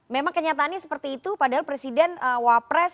memang kenyataannya seperti itu padahal presiden wapres